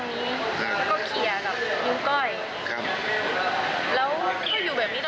แล้วพอออกมาถึงที่วงศาสตร์